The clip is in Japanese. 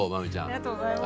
ありがとうございます。